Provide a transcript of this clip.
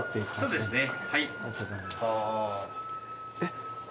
そうですね。